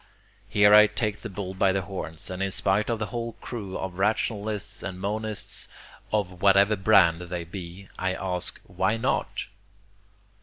Here I take the bull by the horns, and in spite of the whole crew of rationalists and monists, of whatever brand they be, I ask WHY NOT?